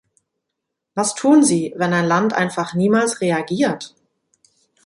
Was tun Sie, wenn ein Land einfach niemals reagiert?